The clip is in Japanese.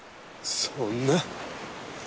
そんな。